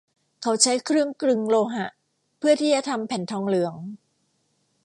เขาใช้เครื่องกลึงโลหะเพื่อที่จะทำแผ่นทองเหลือง